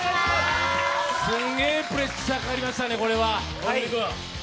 すんげえプレッシャーかかりましたね、これは。